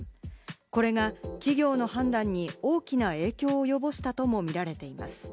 これが企業の判断に大きな影響を及ぼしたとも見られています。